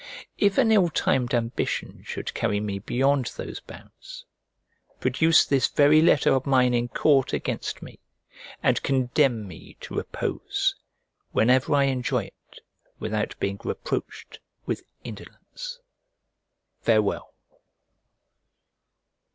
If an ill timed ambition should carry me beyond those bounds, produce this very letter of mine in court against me; and condemn me to repose, whenever I enjoy it without being reproached with indolence. Farewell.